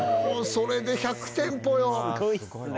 ほうそれで１００店舗よ